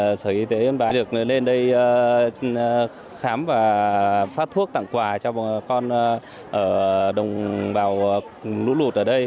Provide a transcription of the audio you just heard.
kết hợp với sở y tế yên bái được lên đây khám và phát thuốc tặng quà cho bà con đồng bào lũ lụt ở đây